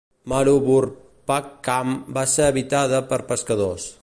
Maruvurpakkam va ser habitada per pescadors.